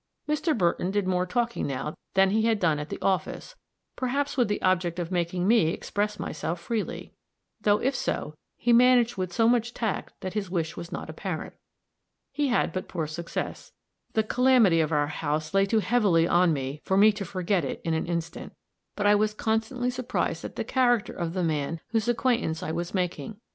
Mr. Burton did more talking now than he had done at the office, perhaps with the object of making me express myself freely; though if so, he managed with so much tact that his wish was not apparent. He had but poor success; the calamity of our house lay too heavily on me for me to forget it in an instant; but I was constantly surprised at the character of the man whose acquaintance I was making.